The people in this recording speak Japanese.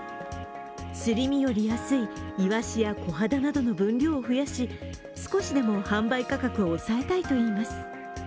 すり身より安いイワシやコハダなどの分量を増やし少しでも販売価格を抑えたいといいます。